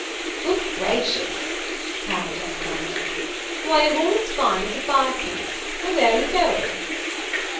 "Good gracious!" cried young Branghton, "why, you're all as fine as a five pence! Why, where are you going?"